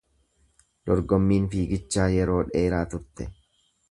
Dorgommiin fiigichaa yeroo dheeraa turte.